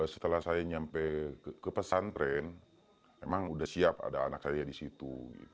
setelah saya nyampe ke pesantren memang sudah siap ada anak saya di situ